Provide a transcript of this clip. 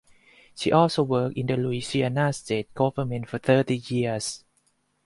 She also worked in the Louisiana state government for thirty years.